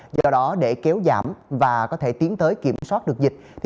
do đó để kéo giảm và có thể tiến tới kiểm soát được dịch